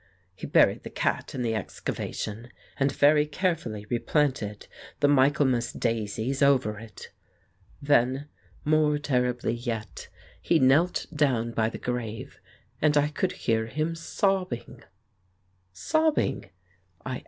He buried the cat in the excavation, and very carefully replanted the Michaelmas daisies over it. Then, more terribly yet, he knelt down by the grave, and I could hear him sobbing." "Sobbing?" I asked.